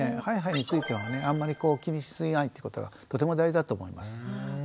ハイハイについてはあんまり気にしすぎないってことがとても大事だと思います。